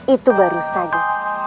itu baru saja